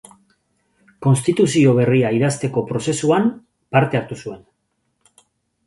Konstituzio berria idazteko prozesuan parte hartu zuen.